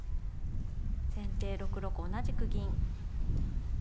先手６六同じく銀。